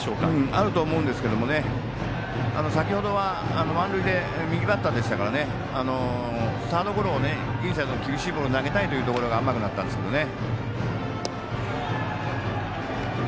あると思うんですけど先ほどは満塁で右バッターでしたからねサードゴロをインサイド厳しいところ投げたいというところが甘くなったんですけどね。